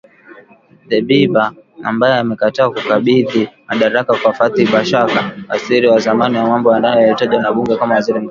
Dbeibah ambaye amekataa kukabidhi madaraka kwa Fathi Bashagha, waziri wa zamani wa mambo ya ndani aliyetajwa na bunge kama waziri mkuu.